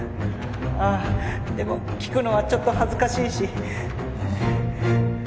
ああでも聞くのはちょっと恥ずかしいし。